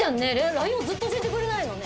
ＬＩＮＥをずっと教えてくれないのね。